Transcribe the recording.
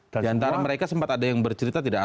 di antara mereka sempat ada yang bercerita tidak